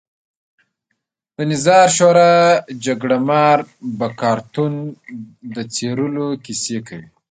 د نظار شورا جګړهمار بکارتونو د څېرلو کیسې کوي.